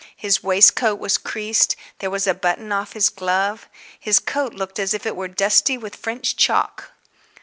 His waistcoat was creased, there was a button off his glove, his coat looked as if it was dusty with French chalk.